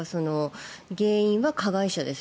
原因は加害者です。